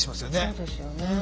そうですよね。